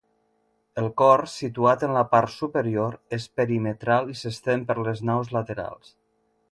El cor, situat en la part superior, és perimetral i s'estén per les naus laterals.